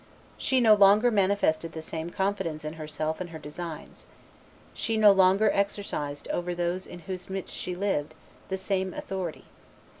She no longer manifested the same confidence in herself and her designs. She no longer exercised over those in whose midst she lived the same authority.